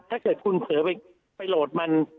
ถ้าเกิดคุณเผลอไปโหลดมัน